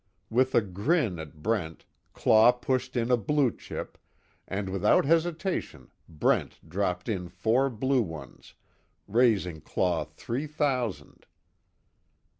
With a grin at Brent, Claw pushed in a blue chip, and without hesitation Brent dropped in four blue ones, raising Claw three thousand.